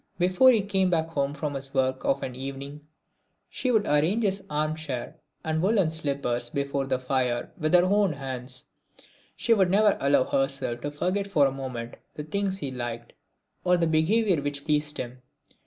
Before he came back home from his work of an evening, she would arrange his arm chair and woollen slippers before the fire with her own hands. She would never allow herself to forget for a moment the things he liked, or the behaviour which pleased him.